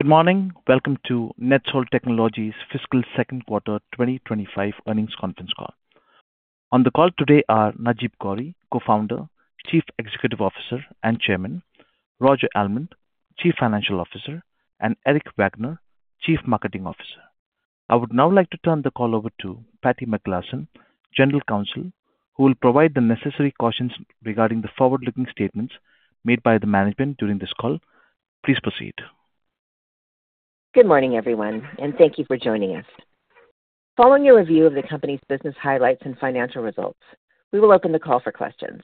Good morning. Welcome to NETSOL Technologies' Fiscal Second Quarter 2025 Earnings Conference Call. On the call today are Najeeb Ghauri, Co-Founder, Chief Executive Officer and Chairman; Roger Almond, Chief Financial Officer; and Erik Wagner, Chief Marketing Officer. I would now like to turn the call over to Patti McGlasson, General Counsel, who will provide the necessary cautions regarding the forward-looking statements made by the management during this call. Please proceed. Good morning, everyone, and thank you for joining us. Following a review of the company's business highlights and financial results, we will open the call for questions.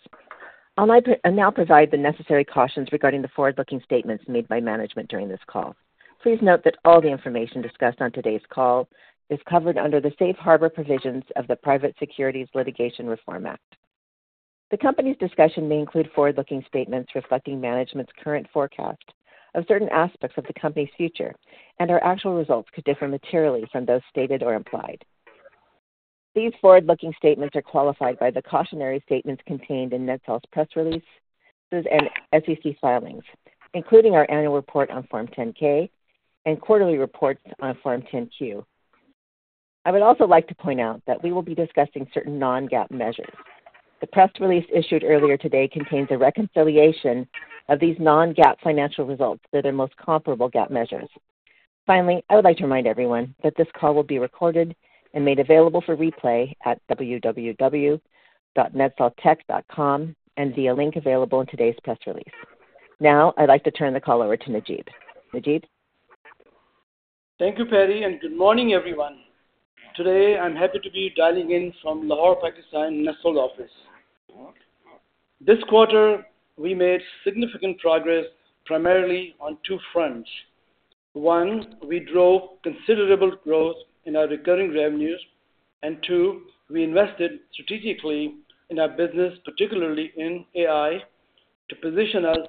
I'll now provide the necessary cautions regarding the forward-looking statements made by management during this call. Please note that all the information discussed on today's call is covered under the safe harbor provisions of the Private Securities Litigation Reform Act. The company's discussion may include forward-looking statements reflecting management's current forecast of certain aspects of the company's future, and our actual results could differ materially from those stated or implied. These forward-looking statements are qualified by the cautionary statements contained in NETSOL's press releases and SEC filings, including our annual report on Form 10-K and quarterly reports on Form 10-Q. I would also like to point out that we will be discussing certain non-GAAP measures. The press release issued earlier today contains a reconciliation of these non-GAAP financial results to their most comparable GAAP measures. Finally, I would like to remind everyone that this call will be recorded and made available for replay at www.netsoltech.com and via link available in today's press release. Now, I'd like to turn the call over to Najeeb. Najeeb? Thank you, Patti, and good morning, everyone. Today, I'm happy to be dialing in from Lahore, Pakistan, NETSOL office. This quarter, we made significant progress primarily on two fronts. One, we drove considerable growth in our recurring revenues, and two, we invested strategically in our business, particularly in AI, to position us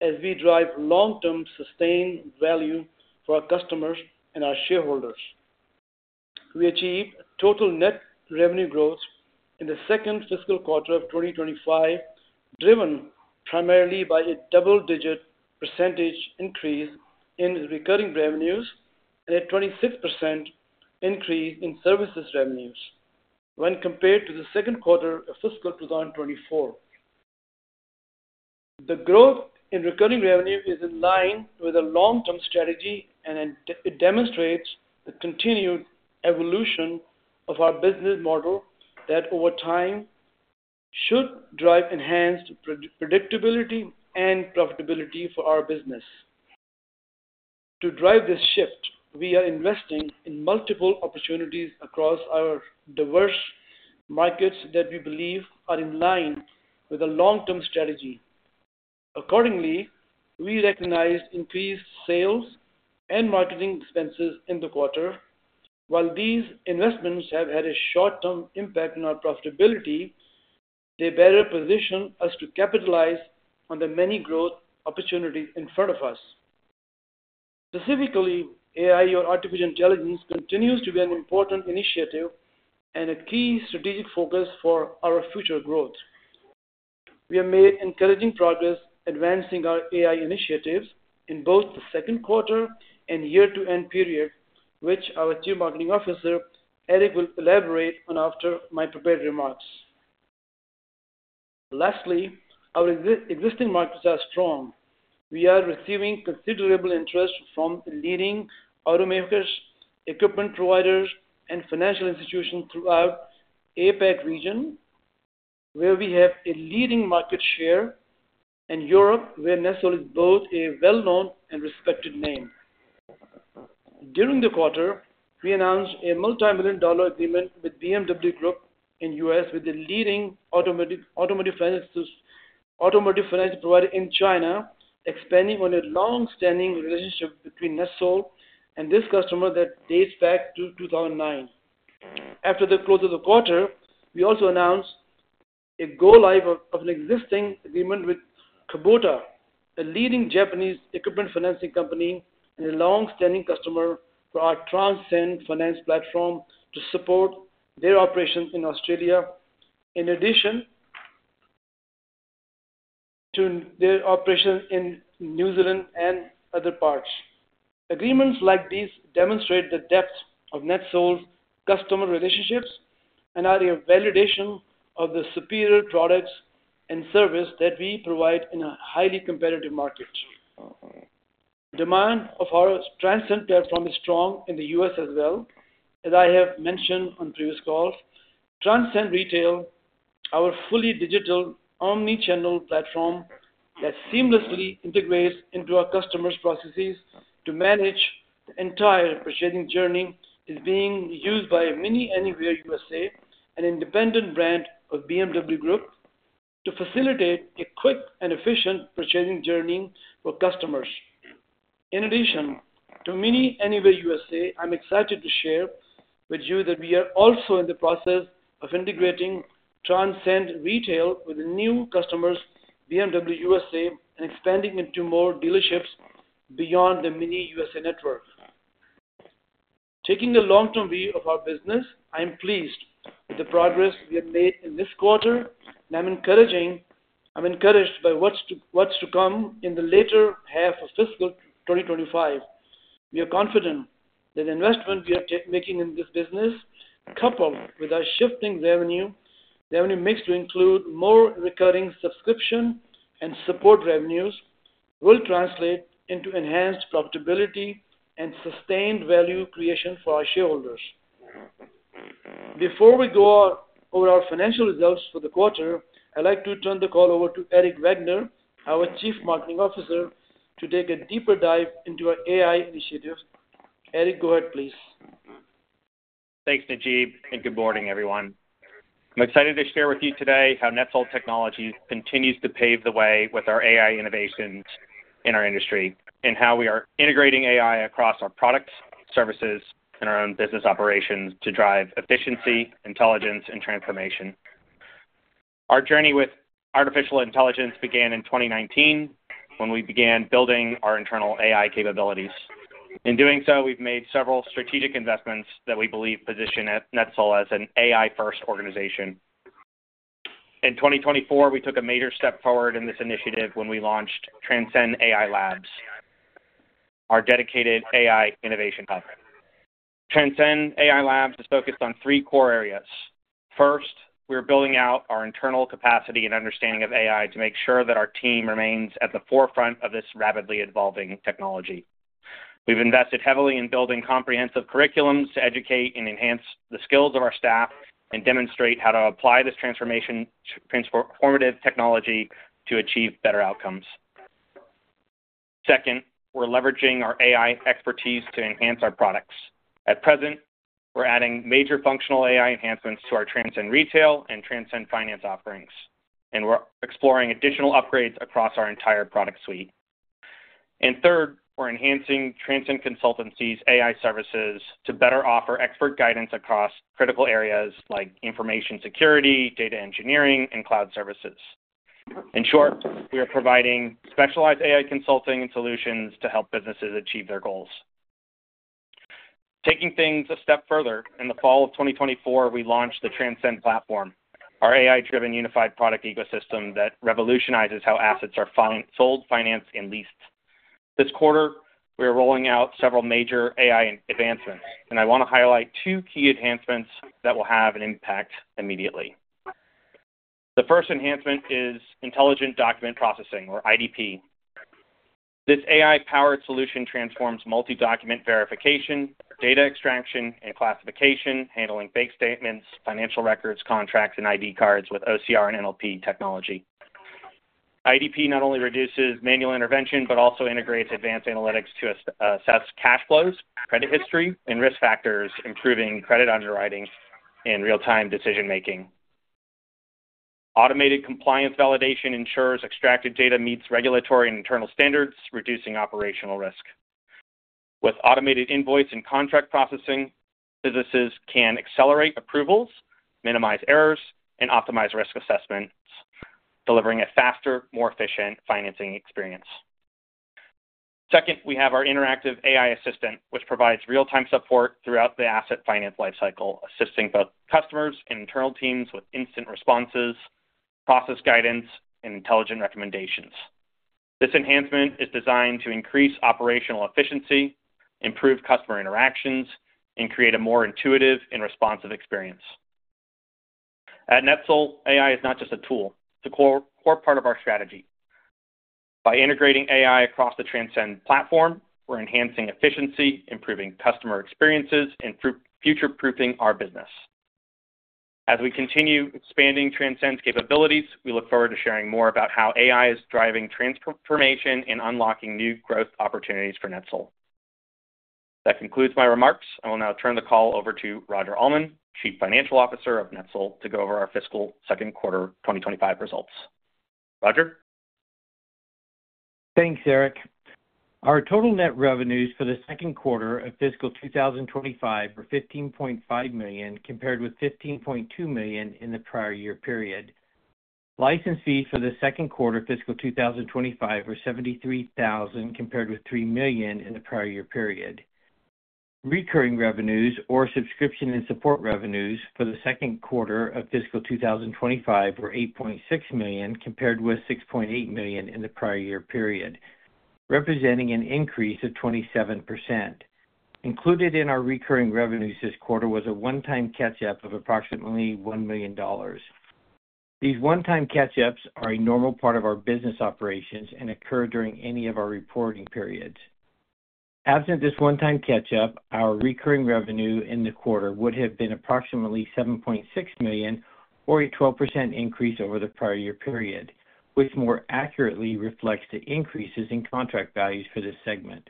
as we drive long-term sustained value for our customers and our shareholders. We achieved total net revenue growth in the second fiscal quarter of 2025, driven primarily by a double-digit percentage increase in recurring revenues and a 26% increase in services revenues when compared to the second quarter of fiscal 2024. The growth in recurring revenue is in line with a long-term strategy, and it demonstrates the continued evolution of our business model that, over time, should drive enhanced predictability and profitability for our business. To drive this shift, we are investing in multiple opportunities across our diverse markets that we believe are in line with a long-term strategy. Accordingly, we recognized increased sales and marketing expenses in the quarter. While these investments have had a short-term impact on our profitability, they better position us to capitalize on the many growth opportunities in front of us. Specifically, AI or artificial intelligence continues to be an important initiative and a key strategic focus for our future growth. We have made encouraging progress advancing our AI initiatives in both the second quarter and year-to-end period, which our Chief Marketing Officer, Erik, will elaborate on after my prepared remarks. Lastly, our existing markets are strong. We are receiving considerable interest from leading automakers, equipment providers, and financial institutions throughout the APAC region, where we have a leading market share, and Europe, where NETSOL is both a well-known and respected name. During the quarter, we announced a multi-million dollar agreement with BMW Group in the U.S., with a leading automotive financial provider in China, expanding on a long-standing relationship between NETSOL and this customer that dates back to 2009. After the close of the quarter, we also announced a go-live of an existing agreement with Kubota, a leading Japanese equipment financing company and a long-standing customer for our Transcend Finance platform to support their operations in Australia in addition to their operations in New Zealand and other parts. Agreements like these demonstrate the depth of NETSOL's customer relationships and are a validation of the superior products and service that we provide in a highly competitive market. Demand of our Transcend platform is strong in the U.S. as well. As I have mentioned on previous calls, Transcend Retail is our fully digital omnichannel platform that seamlessly integrates into our customers' processes to manage the entire purchasing journey. It is being used by MINI Anywhere USA, an independent brand of BMW Group, to facilitate a quick and efficient purchasing journey for customers. In addition to MINI Anywhere USA, I'm excited to share with you that we are also in the process of integrating Transcend Retail with new customers BMW USA and expanding into more dealerships beyond the MINI USA network. Taking a long-term view of our business, I'm pleased with the progress we have made in this quarter, and I'm encouraged by what's to come in the later half of fiscal 2025. We are confident that the investment we are making in this business, coupled with our shifting revenue mix to include more recurring subscription and support revenues, will translate into enhanced profitability and sustained value creation for our shareholders. Before we go over our financial results for the quarter, I'd like to turn the call over to Erik Wagner, our Chief Marketing Officer, to take a deeper dive into our AI initiatives. Erik, go ahead, please. Thanks, Najeeb, and good morning, everyone. I'm excited to share with you today how NETSOL Technologies continues to pave the way with our AI innovations in our industry and how we are integrating AI across our products, services, and our own business operations to drive efficiency, intelligence, and transformation. Our journey with artificial intelligence began in 2019 when we began building our internal AI capabilities. In doing so, we've made several strategic investments that we believe position NETSOL as an AI-first organization. In 2024, we took a major step forward in this initiative when we launched Transcend AI Labs, our dedicated AI innovation hub. Transcend AI Labs is focused on three core areas. First, we're building out our internal capacity and understanding of AI to make sure that our team remains at the forefront of this rapidly evolving technology. We've invested heavily in building comprehensive curriculums to educate and enhance the skills of our staff and demonstrate how to apply this transformative technology to achieve better outcomes. Second, we're leveraging our AI expertise to enhance our products. At present, we're adding major functional AI enhancements to our Transcend Retail and Transcend Finance offerings, and we're exploring additional upgrades across our entire product suite. Third, we're enhancing Transcend Consultancy's AI services to better offer expert guidance across critical areas like information security, data engineering, and cloud services. In short, we are providing specialized AI consulting and solutions to help businesses achieve their goals. Taking things a step further, in the fall of 2024, we launched the Transcend platform, our AI-driven unified product ecosystem that revolutionizes how assets are sold, financed, and leased. This quarter, we are rolling out several major AI advancements, and I want to highlight two key enhancements that will have an impact immediately. The first enhancement is intelligent document processing, or IDP. This AI-powered solution transforms multi-document verification, data extraction, and classification, handling bank statements, financial records, contracts, and ID cards with OCR and NLP technology. IDP not only reduces manual intervention but also integrates advanced analytics to assess cash flows, credit history, and risk factors, improving credit underwriting and real-time decision-making. Automated compliance validation ensures extracted data meets regulatory and internal standards, reducing operational risk. With automated invoice and contract processing, businesses can accelerate approvals, minimize errors, and optimize risk assessments, delivering a faster, more efficient financing experience. Second, we have our interactive AI assistant, which provides real-time support throughout the asset finance lifecycle, assisting both customers and internal teams with instant responses, process guidance, and intelligent recommendations. This enhancement is designed to increase operational efficiency, improve customer interactions, and create a more intuitive and responsive experience. At NETSOL, AI is not just a tool; it is a core part of our strategy. By integrating AI across the Transcend platform, we are enhancing efficiency, improving customer experiences, and future-proofing our business. As we continue expanding Transcend's capabilities, we look forward to sharing more about how AI is driving transformation and unlocking new growth opportunities for NETSOL. That concludes my remarks. I will now turn the call over to Roger Almond, Chief Financial Officer of NETSOL, to go over our fiscal second quarter 2025 results. Roger? Thanks, Erik. Our total net revenues for the second quarter of fiscal 2025 were $15.5 million, compared with $15.2 million in the prior year period. License fees for the second quarter of fiscal 2025 were $73,000, compared with $3 million in the prior year period. Recurring revenues, or subscription and support revenues, for the second quarter of fiscal 2025 were $8.6 million, compared with $6.8 million in the prior year period, representing an increase of 27%. Included in our recurring revenues this quarter was a one-time catch-up of approximately $1 million. These one-time catch-ups are a normal part of our business operations and occur during any of our reporting periods. Absent this one-time catch-up, our recurring revenue in the quarter would have been approximately $7.6 million, or a 12% increase over the prior year period, which more accurately reflects the increases in contract values for this segment.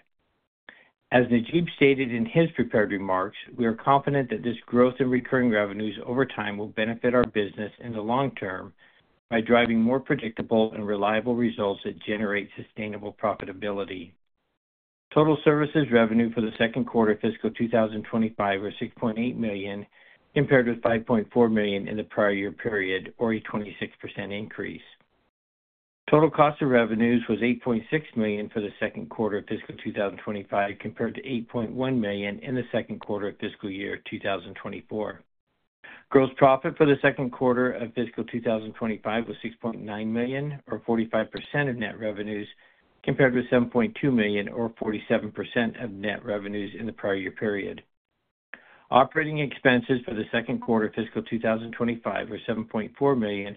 As Najeeb stated in his prepared remarks, we are confident that this growth in recurring revenues over time will benefit our business in the long term by driving more predictable and reliable results that generate sustainable profitability. Total services revenue for the second quarter of fiscal 2025 was $6.8 million, compared with $5.4 million in the prior year period, or a 26% increase. Total cost of revenues was $8.6 million for the second quarter of fiscal 2025, compared to $8.1 million in the second quarter of fiscal year 2024. Gross profit for the second quarter of fiscal 2025 was $6.9 million, or 45% of net revenues, compared with $7.2 million, or 47% of net revenues in the prior year period. Operating expenses for the second quarter of fiscal 2025 were $7.4 million,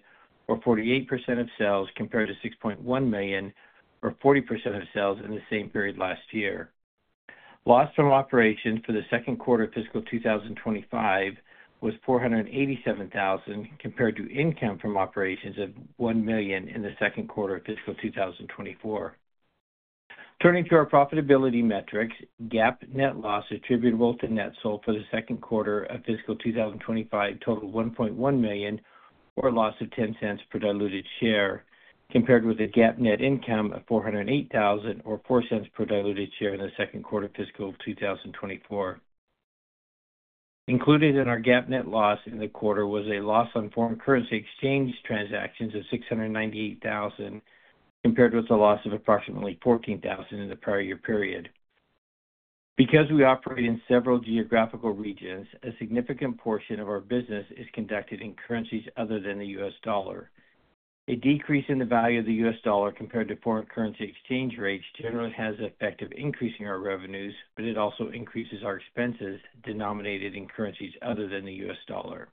or 48% of sales, compared to $6.1 million, or 40% of sales in the same period last year. Loss from operations for the second quarter of fiscal 2025 was $487,000, compared to income from operations of $1 million in the second quarter of fiscal 2024. Turning to our profitability metrics, GAAP net loss attributable to NETSOL for the second quarter of fiscal 2025 totaled $1.1 million, or a loss of $0.10 per diluted share, compared with a GAAP net income of $408,000, or $0.04 per diluted share in the second quarter of fiscal 2024. Included in our GAAP net loss in the quarter was a loss on foreign currency exchange transactions of $698,000, compared with a loss of approximately $14,000 in the prior year period. Because we operate in several geographical regions, a significant portion of our business is conducted in currencies other than the U.S. dollar. A decrease in the value of the U.S. dollar compared to foreign currency exchange rates generally has the effect of increasing our revenues, but it also increases our expenses denominated in currencies other than the U.S. dollar.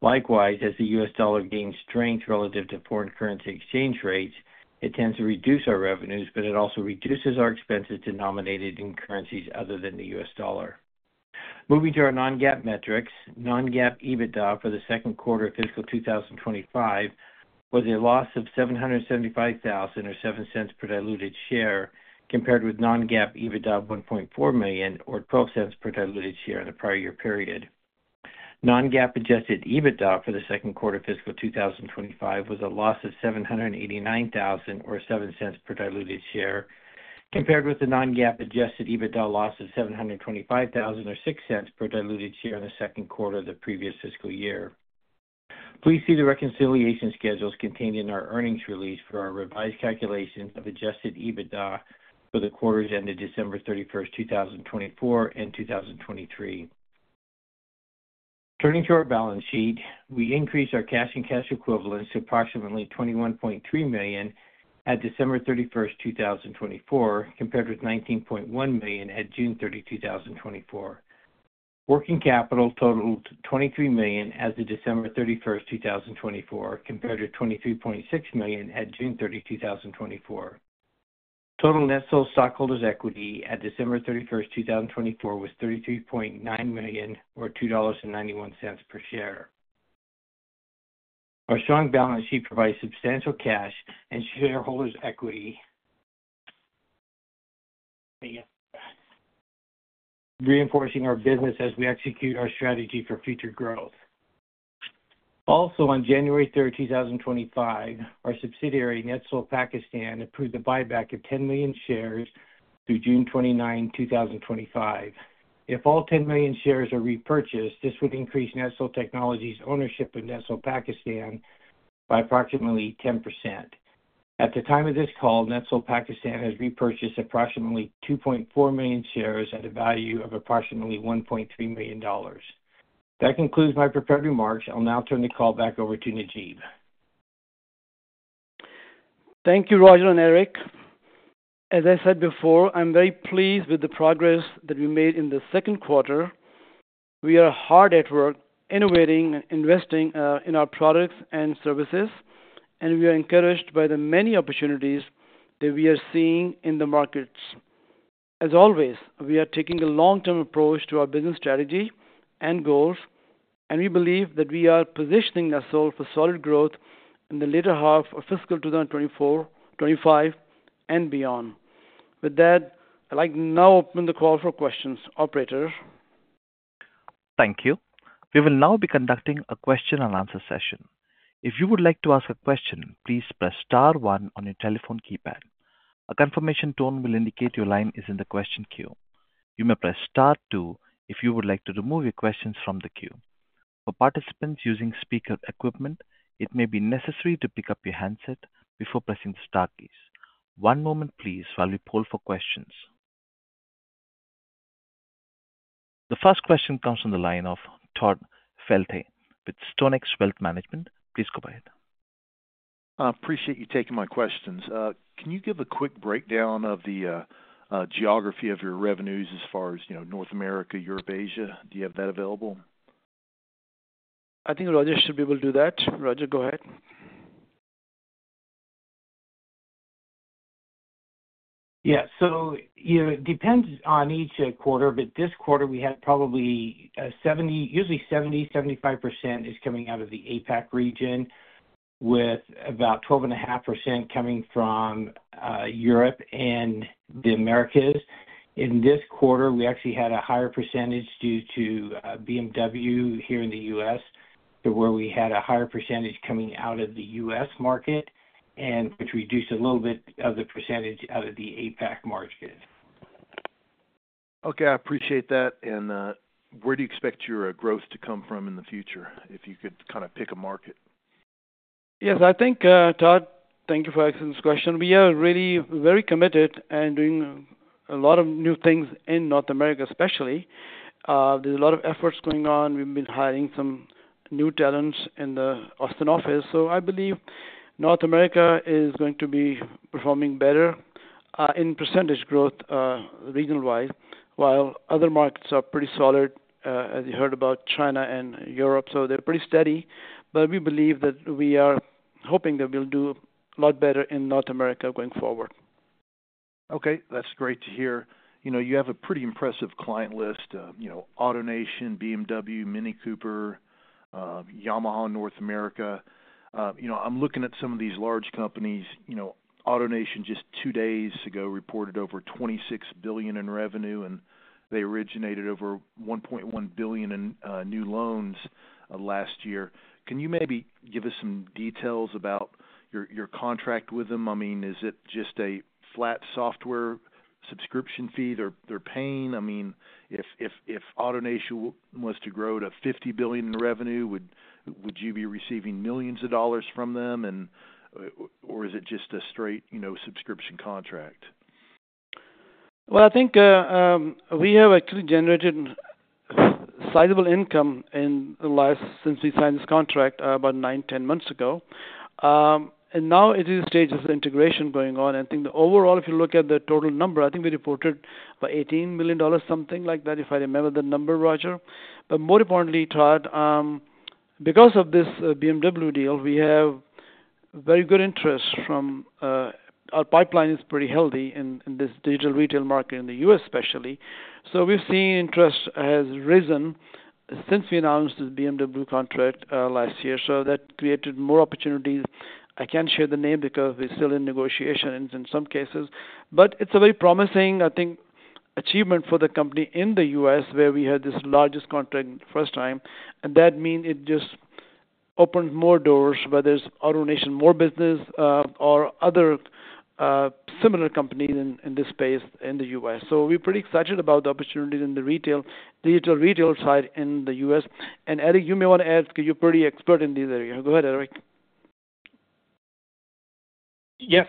Likewise, as the U.S. dollar gains strength relative to foreign currency exchange rates, it tends to reduce our revenues, but it also reduces our expenses denominated in currencies other than the U.S. dollar. Moving to our non-GAAP metrics, non-GAAP EBITDA for the second quarter of fiscal 2025 was a loss of $775,000, or $0.07 per diluted share, compared with non-GAAP EBITDA of $1.4 million, or $0.12 per diluted share in the prior year period. Non-GAAP adjusted EBITDA for the second quarter of fiscal 2025 was a loss of $789,000, or $0.07 per diluted share, compared with the non-GAAP adjusted EBITDA loss of $725,000, or $0.06 per diluted share in the second quarter of the previous fiscal year. Please see the reconciliation schedules contained in our earnings release for our revised calculations of adjusted EBITDA for the quarters ended December 31, 2024, and 2023. Turning to our balance sheet, we increased our cash and cash equivalents to approximately $21.3 million at December 31, 2024, compared with $19.1 million at June 30, 2024. Working capital totaled $23 million as of December 31, 2024, compared with $23.6 million at June 30, 2024. Total NETSOL stockholders' equity at December 31, 2024, was $33.9 million, or $2.91 per share. Our strong balance sheet provides substantial cash and shareholders' equity, reinforcing our business as we execute our strategy for future growth. Also, on January 3, 2025, our subsidiary NETSOL Pakistan approved the buyback of 10 million shares through June 29, 2025. If all 10 million shares are repurchased, this would increase NETSOL Technologies' ownership of NETSOL Pakistan by approximately 10%. At the time of this call, NETSOL Pakistan has repurchased approximately 2.4 million shares at a value of approximately $1.3 million. That concludes my prepared remarks. I'll now turn the call back over to Najeeb. Thank you, Roger and Erik. As I said before, I'm very pleased with the progress that we made in the second quarter. We are hard at work innovating and investing in our products and services, and we are encouraged by the many opportunities that we are seeing in the markets. As always, we are taking a long-term approach to our business strategy and goals, and we believe that we are positioning NETSOL for solid growth in the later half of fiscal 2024, 2025, and beyond. With that, I'd like to now open the call for questions, operator. Thank you. We will now be conducting a question-and-answer session. If you would like to ask a question, please press Star 1 on your telephone keypad. A confirmation tone will indicate your line is in the question queue. You may press Star 2 if you would like to remove your questions from the queue. For participants using speaker equipment, it may be necessary to pick up your handset before pressing the Star keys. One moment, please, while we poll for questions. The first question comes from the line of Todd Felte with StoneX Wealth Management. Please go ahead. Appreciate you taking my questions. Can you give a quick breakdown of the geography of your revenues as far as North America, Europe, Asia? Do you have that available? I think Roger should be able to do that. Roger, go ahead. Yeah. It depends on each quarter, but this quarter we had probably 70%, usually 70%-75% is coming out of the APAC region, with about 12.5% coming from Europe and the Americas. In this quarter, we actually had a higher percentage due to BMW here in the U.S., to where we had a higher percentage coming out of the U.S. market, which reduced a little bit of the percentage out of the APAC market. Okay. I appreciate that. Where do you expect your growth to come from in the future, if you could kind of pick a market? Yes. I think, Todd, thank you for asking this question. We are really very committed and doing a lot of new things in North America, especially. There is a lot of effort going on. We have been hiring some new talents in the Austin office. I believe North America is going to be performing better in percentage growth region-wise, while other markets are pretty solid, as you heard about China and Europe. They are pretty steady. We believe that we are hoping that we will do a lot better in North America going forward. Okay. That's great to hear. You have a pretty impressive client list: AutoNation, BMW, MINI Cooper, Yamaha North America. I'm looking at some of these large companies. AutoNation, just two days ago, reported over $26 billion in revenue, and they originated over $1.1 billion in new loans last year. Can you maybe give us some details about your contract with them? I mean, is it just a flat software subscription fee they're paying? I mean, if AutoNation was to grow to $50 billion in revenue, would you be receiving millions of dollars from them, or is it just a straight subscription contract? I think we have actually generated sizable income in the last since we signed this contract about nine, ten months ago. Now, at this stage, there's an integration going on. I think the overall, if you look at the total number, I think we reported about $18 million, something like that, if I remember the number, Roger. More importantly, Todd, because of this BMW deal, we have very good interest from our pipeline is pretty healthy in this digital retail market in the U.S., especially. We have seen interest has risen since we announced this BMW contract last year. That created more opportunities. I can't share the name because we're still in negotiations in some cases. It is a very promising, I think, achievement for the company in the U.S., where we had this largest contract for the first time. That means it just opened more doors, whether it's AutoNation, more business, or other similar companies in this space in the U.S.. We are pretty excited about the opportunities in the retail, digital retail side in the U.S.. Erik, you may want to add because you are pretty expert in this area. Go ahead, Erik. Yes.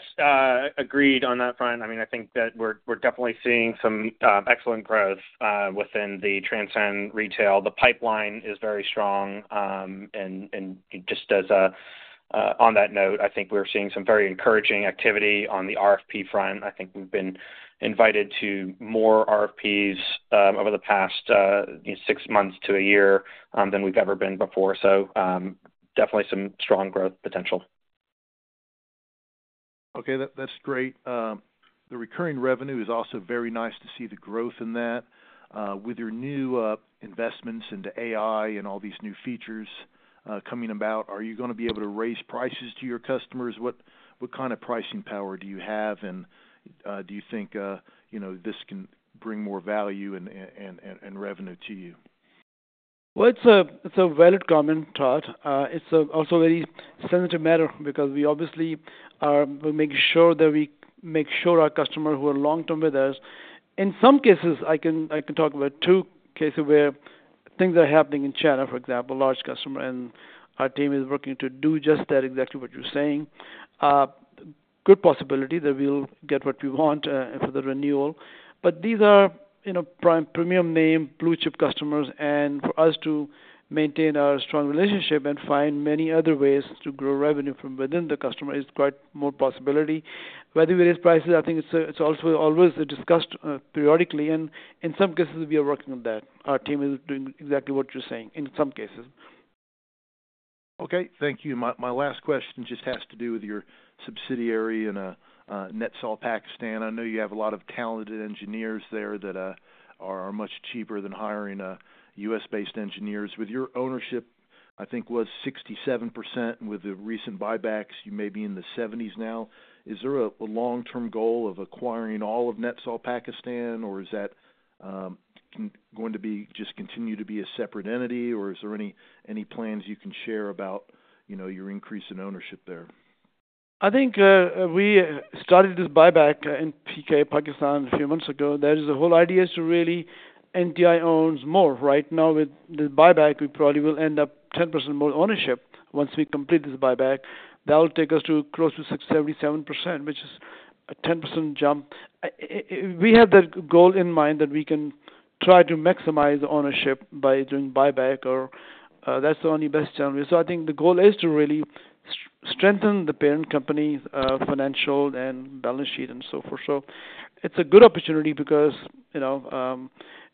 Agreed on that front. I mean, I think that we're definitely seeing some excellent growth within the Transcend Retail. The pipeline is very strong. Just on that note, I think we're seeing some very encouraging activity on the RFP front. I think we've been invited to more RFPs over the past six months to a year than we've ever been before. Definitely some strong growth potential. Okay. That's great. The recurring revenue is also very nice to see the growth in that. With your new investments into AI and all these new features coming about, are you going to be able to raise prices to your customers? What kind of pricing power do you have? Do you think this can bring more value and revenue to you? It is a valid comment, Todd. It is also a very sensitive matter because we obviously will make sure that we make sure our customers who are long-term with us. In some cases, I can talk about two cases where things are happening in China, for example, large customer, and our team is working to do just that, exactly what you are saying. Good possibility that we will get what we want for the renewal. These are premium name blue-chip customers. For us to maintain our strong relationship and find many other ways to grow revenue from within the customer is quite more possibility. Whether we raise prices, I think it is also always discussed periodically. In some cases, we are working on that. Our team is doing exactly what you are saying in some cases. Okay. Thank you. My last question just has to do with your subsidiary in NETSOL Pakistan. I know you have a lot of talented engineers there that are much cheaper than hiring U.S.-based engineers. With your ownership, I think, was 67%. With the recent buybacks, you may be in the 70s now. Is there a long-term goal of acquiring all of NETSOL Pakistan, or is that going to just continue to be a separate entity, or is there any plans you can share about your increase in ownership there? I think we started this buyback in Pakistan a few months ago. The whole idea is to really NTI owns more. Right now, with the buyback, we probably will end up 10% more ownership once we complete this buyback. That will take us close to 77%, which is a 10% jump. We have that goal in mind that we can try to maximize ownership by doing buyback, or that's the only best challenge. I think the goal is to really strengthen the parent company's financial and balance sheet and so forth. It is a good opportunity because NETSOL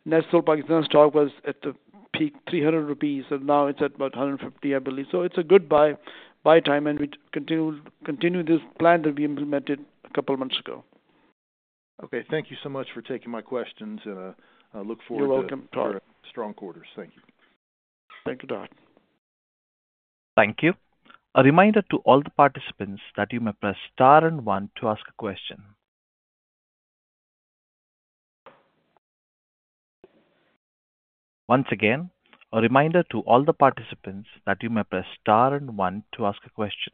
Pakistan's stock was at the peak PKR 300, and now it is at about PKR 150, I believe. It is a good buy time, and we continue this plan that we implemented a couple of months ago. Okay. Thank you so much for taking my questions, and I look forward to your strong quarters. Thank you. Thank you, Todd. Thank you. A reminder to all the participants that you may press Star and 1 to ask a question. Once again, a reminder to all the participants that you may press Star and 1 to ask a question.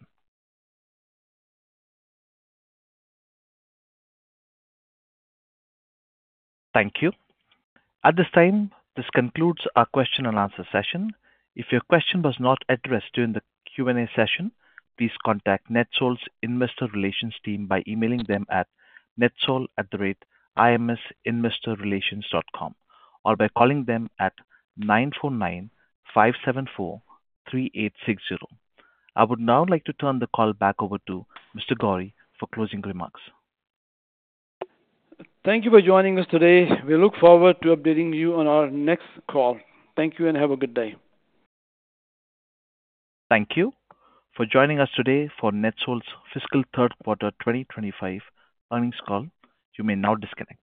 Thank you. At this time, this concludes our question-and-answer session. If your question was not addressed during the Q&A session, please contact NETSOL's investor relations team by emailing them at netsol@imsinvestorrelations.com or by calling them at 949-574-3860. I would now like to turn the call back over to Mr. Ghauri for closing remarks. Thank you for joining us today. We look forward to updating you on our next call. Thank you and have a good day. Thank you for joining us today for NETSOL's fiscal third quarter 2025 earnings call. You may now disconnect.